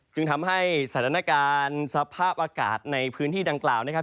จึงทำให้สถานการณ์สภาพอากาศในพื้นที่ดังกล่าวนะครับ